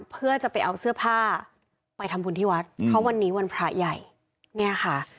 เพื่อจะไปเอาเสื้อผ้าไปทำบุญที่วัดเพราะวันนี้วันพระใหญ่เนี่ยค่ะ